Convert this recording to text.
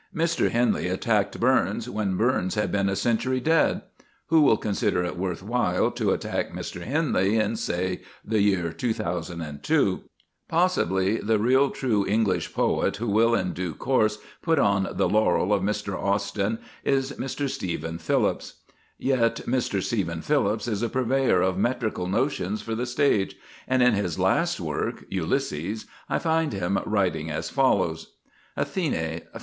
Mr. Henley attacked Burns when Burns had been a century dead. Who will consider it worth while to attack Mr. Henley in, say, the year 2002? Possibly the real, true English poet who will in due course put on the laurel of Mr. Austin is Mr. Stephen Phillips. Yet Mr. Stephen Phillips is a purveyor of metrical notions for the stage, and in his last great work Ulysses I find him writing as follows: ATHENE.